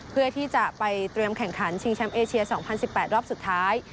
เพื่อที่จะไปเตรียมแข่งขันชิงแชมป์เอเชีย๒๐๑๘รอบสุดท้าย